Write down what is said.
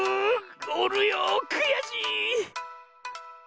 おるよくやしい！